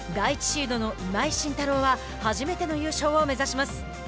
シードの今井慎太郎は初めての優勝を目指します。